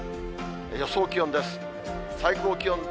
予想気温です。